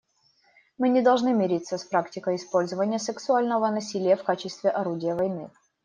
Мы не должны мириться с практикой использования сексуального насилия в качестве орудия войны.